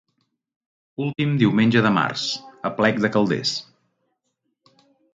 Últim diumenge de març: Aplec de Calders.